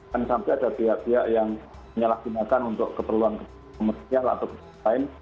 dan sampai ada pihak pihak yang menyalahgunakan untuk keperluan komersial atau sesuatu lain